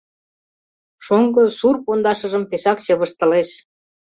Шоҥго сур пондашыжым пешак чывыштылеш.